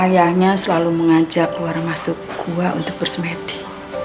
ayahnya selalu mengajak keluar masuk gua untuk kursmedi